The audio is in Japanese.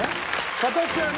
形はね。